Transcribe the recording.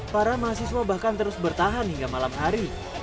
para mahasiswa bahkan terus bertahan hingga malam hari